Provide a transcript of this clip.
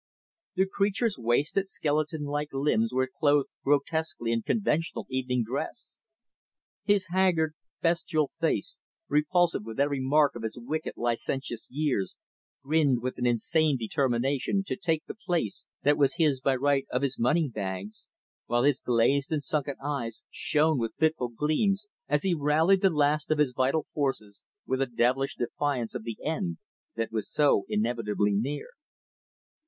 The creature's wasted, skeleton like limbs, were clothed grotesquely in conventional evening dress. His haggard, bestial face repulsive with every mark of his wicked, licentious years grinned with an insane determination to take the place that was his by right of his money bags; while his glazed and sunken eyes shone with fitful gleams, as he rallied the last of his vital forces, with a devilish defiance of the end that was so inevitably near.